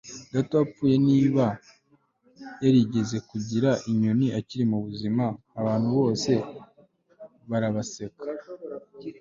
data wapfuye niba yarigeze kugira inyoni akiri muzima. 'abantu bose barabaseka